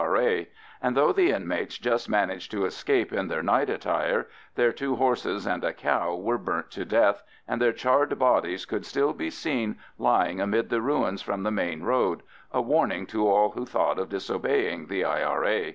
R.A.; and though the inmates just managed to escape in their night attire, their two horses and a cow were burnt to death, and their charred bodies could still be seen lying amid the ruins from the main road—a warning to all who thought of disobeying the I.R.A.